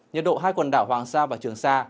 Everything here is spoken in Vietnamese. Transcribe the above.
nhiệt độ hai quần đảo hoàng sa và trường sa